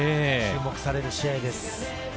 注目される試合です。